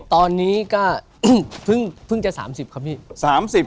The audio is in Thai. ตอนนี้ก็เพิ่งจะ๓๐ครับพี่